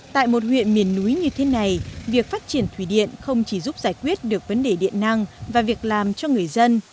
tại một huyện miền núi như thế này việc phát triển thủy điện không chỉ giúp giải quyết được vấn đề điện năng và việc làm cho người dân